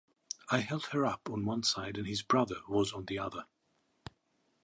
I held her up on one side and his brother was on the other.